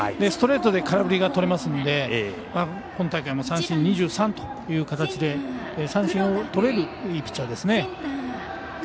ストレートで空振りがとれますので今大会も三振２３という形で三振をとれるいいピッチャーです。